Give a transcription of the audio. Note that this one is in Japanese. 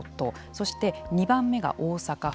そして、２番目が大阪府。